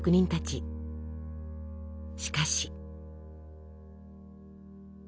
しかし。